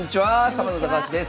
サバンナ高橋です。